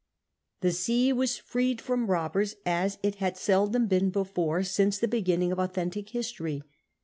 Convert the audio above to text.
The sea was freed from robbers as it had seldom been before since the beginning of authentic history.